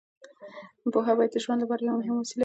پوهه باید د ژوند لپاره یوه مهمه وسیله وي.